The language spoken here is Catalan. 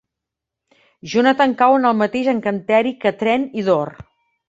Jonathan cau en el mateix encanteri que Trent i Dor.